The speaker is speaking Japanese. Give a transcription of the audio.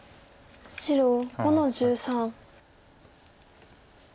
白５の十三。